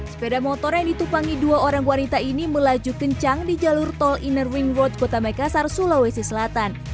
sepeda motor yang ditupangi dua orang wanita ini melaju kencang di jalur tol innerwing world kota makassar sulawesi selatan